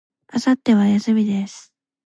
明後日は、休みです。